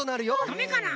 ダメかな。